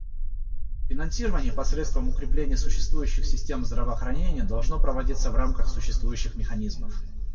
Финансирование посредством укрепления существующих систем здравоохранения должно проводиться в рамках существующих механизмов.